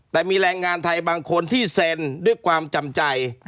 แต่มีแรงงานไทยบางคนที่เซ็นด้วยความจำใจ